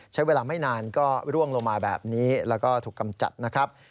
ใช้เวลาไม่นานก็ร่วงลงมาแบบนี้แล้วก็ถูกกำจัดนะครับ